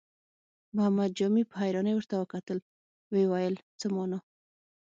محمد جامي په حيرانۍ ورته وکتل، ويې ويل: څه مانا؟